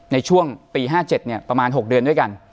ในช่วงปี๕๗ประมาณ๖เดือนด้วยกัน